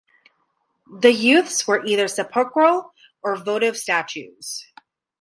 The youths were either sepulchral or votive statues.